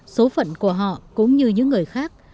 số phận của họ cũng như những người khác